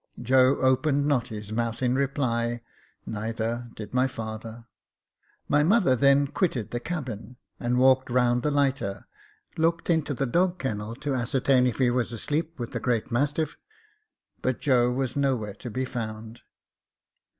Joe opened not his mouth in reply, neither did my father. My mother then quitted the cabin, and walked round the lighter, looked into the dog kennel to ascertain if he was asleep with the great mastiff — but Joe was nowhere to be found.